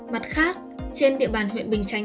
mặt khác trên địa bàn huyện bình chánh